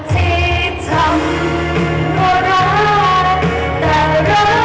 แต่รักก็ทำร้าย